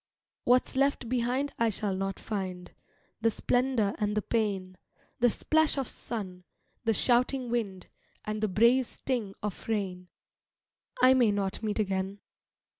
What's left behind I shall not find, The splendour and the pain; The splash of sun, the shouting wind, And the brave sting of rain, I may not meet again.